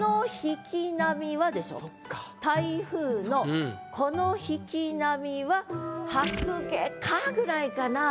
「台風のこの引き波は白鯨か」ぐらいかなぁ？